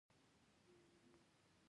ایا زه باید په رڼا کې کینم؟